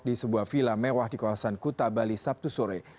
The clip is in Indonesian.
di sebuah vila mewah di kawasan kuta bali sabtu sore